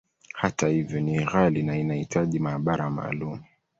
Hata hivyo, ni ghali, na inahitaji maabara maalumu.